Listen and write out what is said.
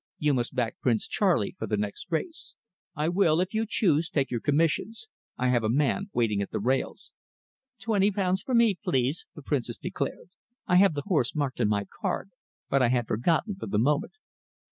"You must back Prince Charlie for the next race. I will, if you choose, take your commissions. I have a man waiting at the rails." "Twenty pounds for me, please," the Princess declared. "I have the horse marked on my card, but I had forgotten for the moment."